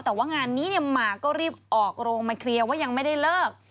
แต่ว่างานนี้เนี่ยหมากก็รีบออกโรงมาเคลียร์ว่ายังไม่ได้เลิก